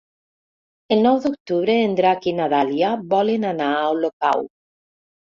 El nou d'octubre en Drac i na Dàlia volen anar a Olocau.